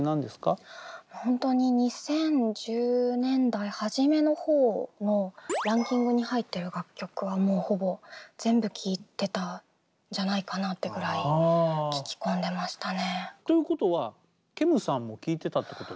本当に２０１０年代初めの方のランキングに入ってる楽曲はもうほぼ全部聴いてたんじゃないかなってぐらい聴き込んでましたね。ということはもちろんです。